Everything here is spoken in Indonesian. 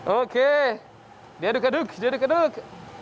oke diaduk aduk sedikit aduk